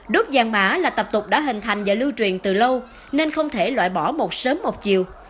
đốt vàng mã là tập tục đã hình thành và lưu truyền từ lâu nên không thể loại bỏ một sớm một chiều